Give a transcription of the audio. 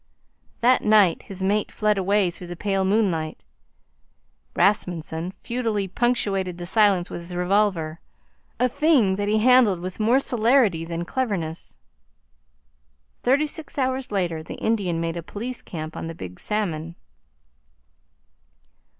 That night his mate fled away through the pale moonlight, Rasmunsen futilely puncturing the silence with his revolver a thing that he handled with more celerity than cleverness. Thirty six hours later the Indian made a police camp on the Big Salmon.